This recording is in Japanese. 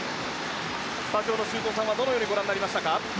スタジオの修造さんはどのようにご覧になりましたか？